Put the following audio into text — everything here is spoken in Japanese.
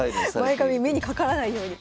前髪目にかからないように。